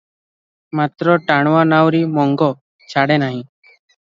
ମାତ୍ର ଟାଣୁଆ ନାଉରି ମଙ୍ଗ ଛାଡ଼େ ନାହିଁ ।